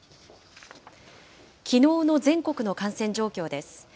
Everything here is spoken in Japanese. きのうの全国の感染状況です。